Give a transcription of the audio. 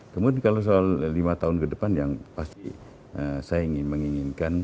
kemudian kalau soal lima tahun ke depan yang pasti saya ingin menginginkan